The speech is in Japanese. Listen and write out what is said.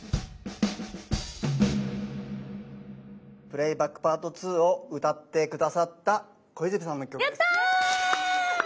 「プレイバックｐａｒｔ２」を歌って下さった小泉さんの曲です。